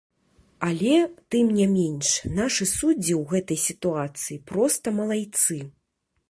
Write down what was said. Але тым не менш нашы суддзі ў гэтай сітуацыі проста малайцы.